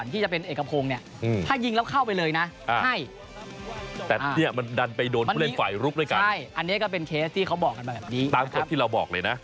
ที่เขาบอกกันแบบนี้นะครับ